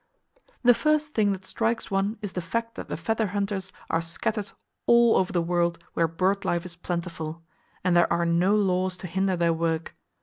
The first thing that strikes one is the fact that the feather hunters are scattered all over the world where bird life is plentiful and there are no laws to hinder their work.